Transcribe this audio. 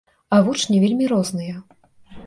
А вучні вельмі розныя.